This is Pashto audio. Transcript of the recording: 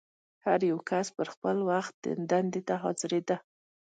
هر یو کس به پر خپل وخت دندې ته حاضرېده.